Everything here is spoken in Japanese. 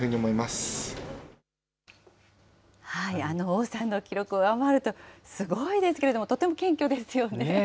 王さんの記録を上回ると、すごいですけれども、とても謙虚ですよね。